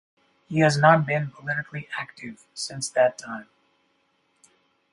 He has not been politically active since that time.